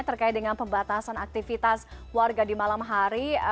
terkait dengan pembatasan aktivitas warga di malam hari